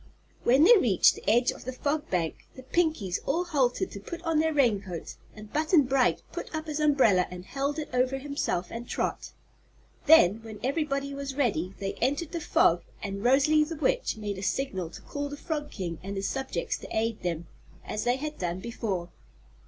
When they reached the edge of the Fog Bank the Pinkies all halted to put on their raincoats and Button Bright put up his umbrella and held it over himself and Trot. Then, when everybody was ready, they entered the Fog and Rosalie the Witch made a signal to call the Frog King and his subjects to aid them, as they had done before.